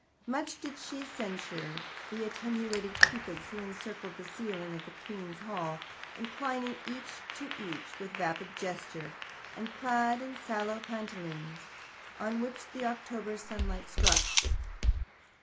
Much did she censure the attenuated Cupids who encircle the ceiling of the Queen's Hall, inclining each to each with vapid gesture, and clad in sallow pantaloons, on which the October sunlight struck.